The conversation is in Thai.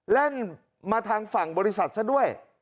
แล่นมาทางฝั่งบริษัทซะด้วย